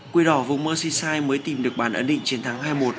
quy đỏ vùng merseyside mới tìm được bàn ẩn định chiến thắng hai một